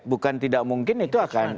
bukan tidak mungkin itu akan